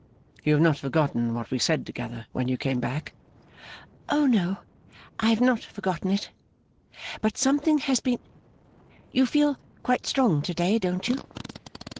You have not forgotten what we said together, when you came back?' 'O no, I have not forgotten it. But something has been You feel quite strong to day, don't you?